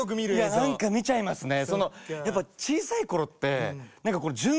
いや何か見ちゃいますね。